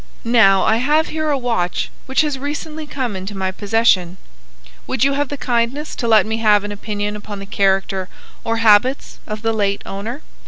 Now, I have here a watch which has recently come into my possession. Would you have the kindness to let me have an opinion upon the character or habits of the late owner?"